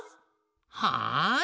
はい。